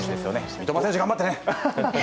三笘選手、頑張ってね。